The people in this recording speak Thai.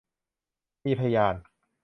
มีพยาน